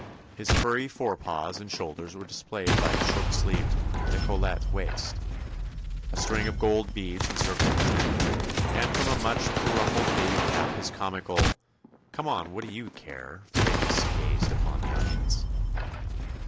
His furry fore paws and shoulders were displayed by its short sleeved, decollete waist, a string of gold beads encircled his neck, and from a much beruffled baby cap his comical "Come on; what do you care?" face gazed upon the audience.